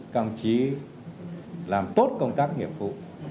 công chí làm tốt công tác nghiệp phụ